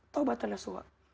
taubat tanah suha